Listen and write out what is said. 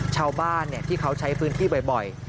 ชาวบ้านที่เขาใช้พื้นที่บ่อย